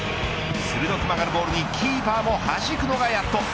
鋭く曲がるボールにキーパーもはじくのがやっと。